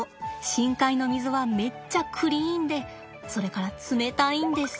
深海の水はめっちゃクリーンでそれから冷たいんです。